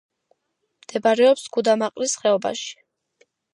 მდებარეობს გუდამაყრის ხეობაში.